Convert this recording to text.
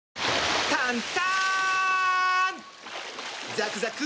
ザクザク！